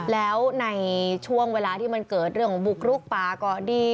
แล้วในช่วงเวลาที่มันเกิดเรื่องของบุกรุกป่าก็ดี